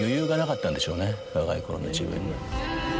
若いころの自分に。